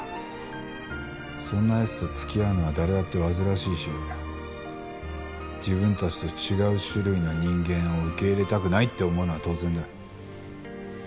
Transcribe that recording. そんな奴と付き合うのは誰だって煩わしいし自分たちと違う種類の人間を受け入れたくないって思うのは当然だ。